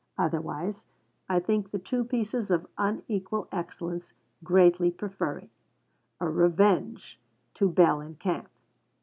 Otherwise, I think the two pieces of unequal excellence, greatly preferring 'A Revenge' to 'Bell in Camp.'